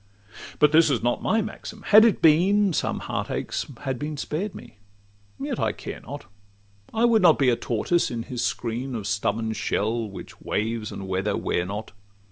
But this is not my maxim: had it been, Some heart aches had been spared me: yet I care not— I would not be a tortoise in his screen Of stubborn shell, which waves and weather wear not.